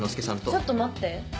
ちょっと待って。